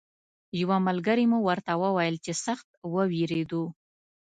یوه ملګري مو ورته ویل چې سخت ووېرېدو.